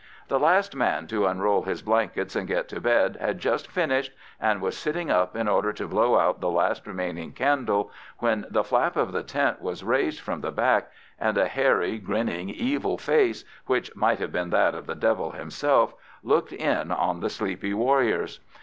The last man to unroll his blankets and get to bed had just finished, and was sitting up in order to blow out the last remaining candle, when the flap of the tent was raised from the back, and a hairy, grinning, evil face, which might have been that of the devil himself, looked in on the sleepy warriors.